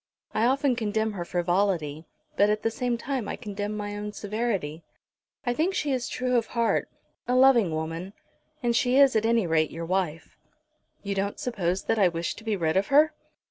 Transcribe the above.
I often condemn her frivolity, but at the same time I condemn my own severity. I think she is true of heart, a loving woman. And she is at any rate your wife." "You don't suppose that I wish to be rid of her?"